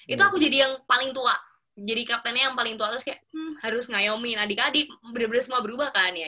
itu aku jadi yang paling tua jadi kaptennya yang paling tua terus kayak harus ngayomin adik adik bener bener semua berubah kan ya